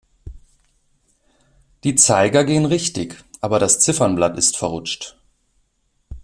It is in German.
Die Zeiger gehen richtig, aber das Ziffernblatt ist verrutscht.